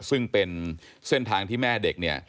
ซึ่งเป็นเส้นทางที่แม่เด็กเนี่ย